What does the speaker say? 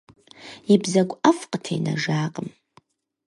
И бзэгу ӀэфӀ къытенэжакъым.